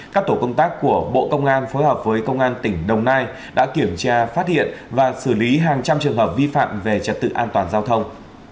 các tổ công tác của bộ công an phối hợp với công an tỉnh đồng nai đã kiểm tra phát hiện và xử lý hàng trăm trường hợp vi phạm về trật tự an toàn giao thông